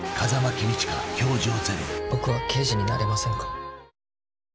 僕は刑事になれませんか？